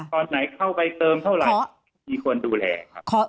ตอนไหนเข้าไปเติมเท่าไหร่มีคนดูแลครับ